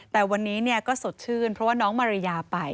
แต่วันนี้ก็สดชื่นเพราะว่าน้องมาริยาไป